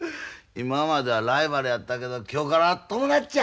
今まではライバルやったけど今日からは友達や！